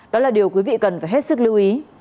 đó là điều quý vị cần phải hết sức lưu ý